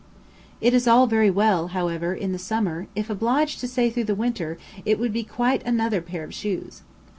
It is all very well, however, in the summer; if obliged to stay through the winter, it would be quite another "pair of shoes."